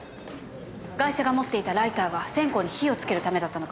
ガイシャが持っていたライターは線香に火をつけるためだったのかもしれません。